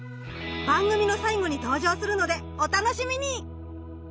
番組の最後に登場するのでお楽しみに！